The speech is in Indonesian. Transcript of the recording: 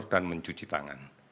dan mencuci tangan